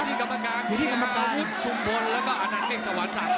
อยู่ที่กรรมการมีอาวุธชุมพลแล้วก็อาณาเมฆสวรรค์สามคน